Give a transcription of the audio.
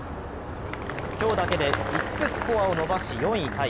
今日だけで５つスコアを伸ばし、４位タイ。